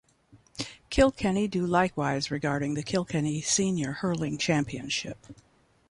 Kilkenny do likewise regarding the Kilkenny Senior Hurling Championship.